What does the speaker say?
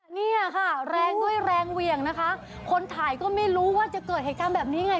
เนี่ยค่ะแรงด้วยแรงเหวี่ยงนะคะคนถ่ายก็ไม่รู้ว่าจะเกิดเหตุการณ์แบบนี้ไง